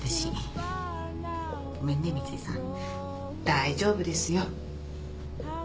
大丈夫ですよ。